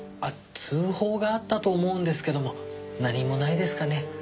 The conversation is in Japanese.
通報があったと思うんですけども何もないですかね？